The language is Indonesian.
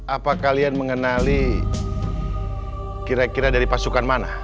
apa kalian mengenali kira kira dari pasukan mana